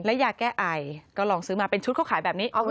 และยาแก้ไอก็ลองซื้อมาเป็นชุดเขาขายแบบนี้